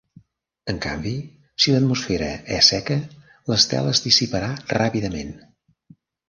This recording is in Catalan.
En canvi, si l'atmosfera és seca, l'estela es dissiparà ràpidament.